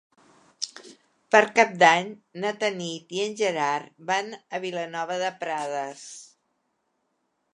Per Cap d'Any na Tanit i en Gerard van a Vilanova de Prades.